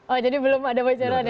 oh jadi belum ada bocoran ya